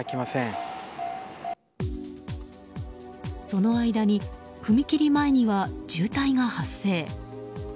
その間に踏切前には渋滞が発生。